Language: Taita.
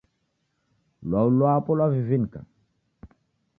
Lwau lwapo lwavinika